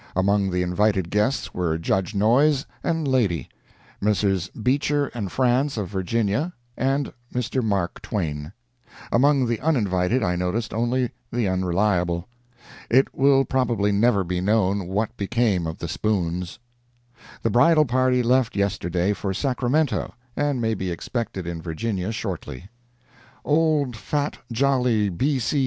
Among the invited guests were Judge Noyes and lady, Messrs. Beecher and Franz, of Virginia, and Mr. Mark Twain; among the uninvited I noticed only the Unreliable. It will probably never be known what became of the spoons. The bridal party left yesterday for Sacramento, and may be expected in Virginia shortly. Old fat, jolly B. C.